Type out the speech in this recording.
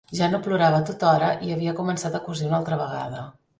Ja no plorava tothora i havia començat a cosir una altra vegada.